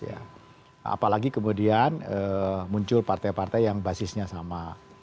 apalagi kemudian muncul partai partai yang basisnya sama